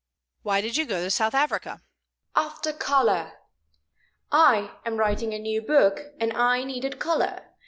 Why did you go to South Africa?" "After color. I am writing a new book, and I needed color.